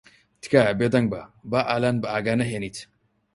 تکایە بێدەنگ بە با ئالان بە ئاگا نەھێنیت.